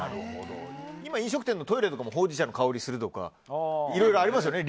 今、飲食店のトイレとかもほうじ茶の香りするとかいろいろありますよね。